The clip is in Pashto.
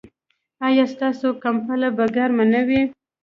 ایا ستاسو کمپله به ګرمه نه وي؟